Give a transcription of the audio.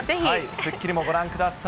スッキリもご覧ください。